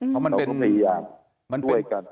เราก็พยายามด้วยกัน